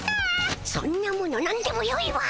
そんなものなんでもよいわ。